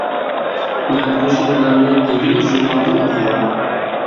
مەن بۇ شېئىرلارنى ئىلگىرى ژۇرنالدىن ئوقۇغان.